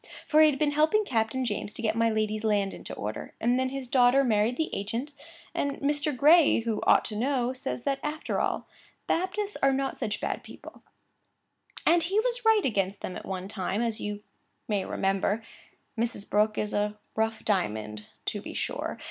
For he has been helping Captain James to get my lady's land into order; and then his daughter married the agent; and Mr. Gray (who ought to know) says that, after all, Baptists are not such bad people; and he was right against them at one time, as you may remember. Mrs. Brooke is a rough diamond, to be sure.